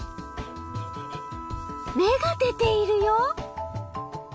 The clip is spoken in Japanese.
芽が出ているよ！